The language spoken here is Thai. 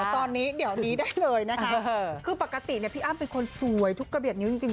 ตอนนี้เดี๋ยวนี้ได้เลยนะคะคือปกติพี่อ้ำเป็นคนสวยทุกกระเบียดนิ้วจริง